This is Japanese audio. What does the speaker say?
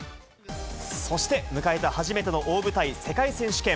そして、迎えた初めての大舞台、世界選手権。